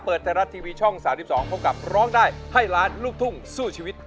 ไทยรัฐทีวีช่อง๓๒พบกับร้องได้ให้ล้านลูกทุ่งสู้ชีวิต